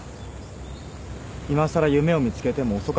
いまさら夢を見つけても遅かったのかなって。